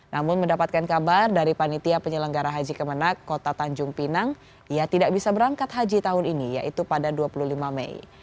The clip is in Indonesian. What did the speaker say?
namun mendapatkan kabar dari panitia penyelenggara haji kemenang kota tanjung pinang ia tidak bisa berangkat haji tahun ini yaitu pada dua puluh lima mei